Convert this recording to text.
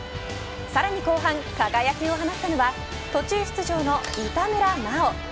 さらに後半輝きを放ったのは途中出場の板村真央。